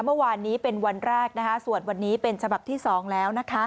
เมื่อวานนี้เป็นวันแรกส่วนวันนี้เป็นฉบับที่๒แล้วนะคะ